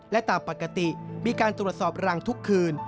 และตามปกติมีการตรวจสอบรังทุกคืน